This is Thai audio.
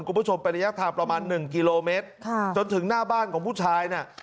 คุณผู้ชมเป็นระยะทางประมาณหนึ่งกิโลเมตรค่ะจนถึงหน้าบ้านของผู้ชายน่ะ